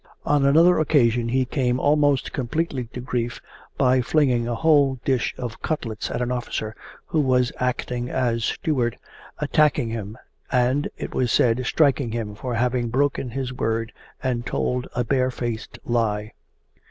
On another occasion he came almost completely to grief by flinging a whole dish of cutlets at an officer who was acting as steward, attacking him and, it was said, striking him for having broken his word and told a barefaced lie.